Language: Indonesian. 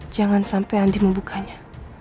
jangan sampai andi membukanya